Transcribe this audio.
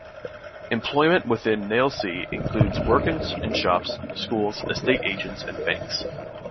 Employment within Nailsea includes work in shops, schools, estate agents and banks.